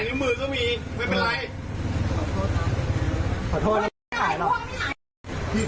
พี่ผิดเครื่องให้เขา